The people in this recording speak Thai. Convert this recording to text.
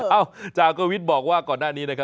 จากกวิทย์บอกว่าก่อนหน้านี้นะครับ